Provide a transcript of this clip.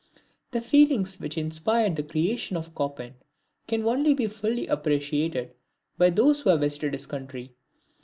The feelings which inspired the creations of Chopin can only be fully appreciated by those who have visited his country.